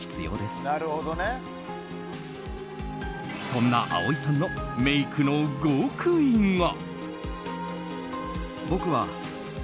そんな蒼井さんのメイクの極意が。